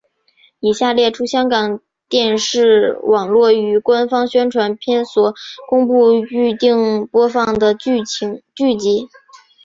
以下列出香港电视网络于官方宣传片所公布预定播放的剧集。